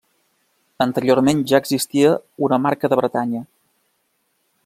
Anteriorment ja existia una Marca de Bretanya.